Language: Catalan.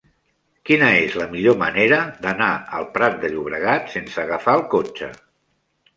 Quina és la millor manera d'anar al Prat de Llobregat sense agafar el cotxe?